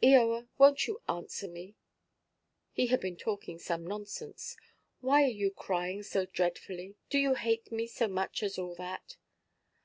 "Eoa, wonʼt you answer me?" He had been talking some nonsense. "Why are you crying so dreadfully? Do you hate me so much as all that?"